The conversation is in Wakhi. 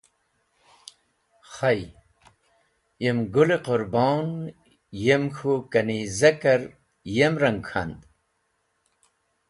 Khay, yem Gũl-e Qũrbon yem k̃hũ kanizaker yem rang k̃hand.